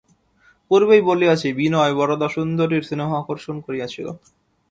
পূর্বেই বলিয়াছি বিনয় বরদাসুন্দরীর স্নেহ আকর্ষণ করিয়াছিল।